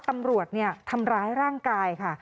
ตำรวจทำร้ายร่างกายค่ะ